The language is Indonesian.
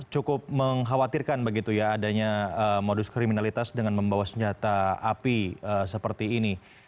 cukup mengkhawatirkan begitu ya adanya modus kriminalitas dengan membawa senjata api seperti ini